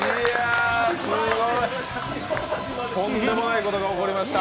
とんでもないことが起こりました。